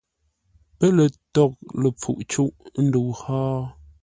Pə́ lə tâghʼ ləpfuʼ cûʼ ndəu hó?